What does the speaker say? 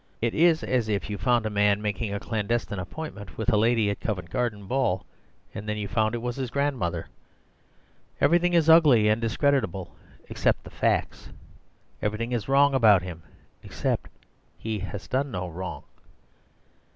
It is as if you found a man making a clandestine appointment with a lady at a Covent Garden ball, and then you found it was his grandmother. Everything is ugly and discreditable, except the facts; everything is wrong about him, except that he has done no wrong.